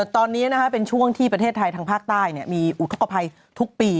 ตอนนี้เป็นช่วงที่ประเทศไทยทางภาคใต้มีอุทธกภัยทุกปี